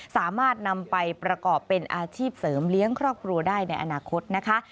สามารถนำไปประกอบเป็นอาชีพเสริมเลี้ยงครอบครัวได้ในอนาคตนะคะ